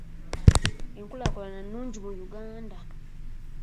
Enkulaakulana nnungi mu Uganda.